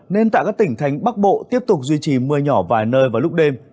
nên tại các tỉnh thành bắc bộ tiếp tục duy trì mưa nhỏ vài nơi vào lúc đêm